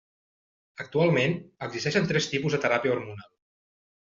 Actualment, existeixen tres tipus de teràpia hormonal.